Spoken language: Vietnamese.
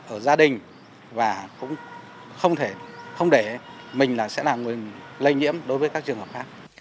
ở gia đình và cũng không để mình là sẽ là người lây nhiễm đối với các trường hợp khác